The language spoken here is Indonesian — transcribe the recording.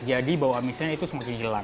jadi bau amisnya itu semakin jelang